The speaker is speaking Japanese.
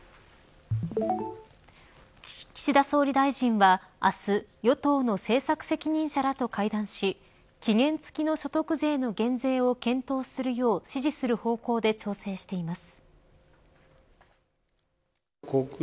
岸田総理大臣は明日与党の政策責任者らと会談し期限付きの所得税の減税を検討するよう支持する方向で調整しています。